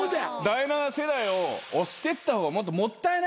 第７世代を押してった方がもったいない。